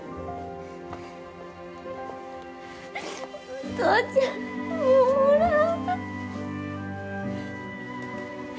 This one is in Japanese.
お父ちゃん、もうおらん。